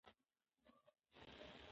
سهارنۍ د ژبنیزې وړتیا ښه کولو کې مرسته کوي.